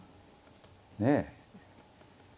ねえ。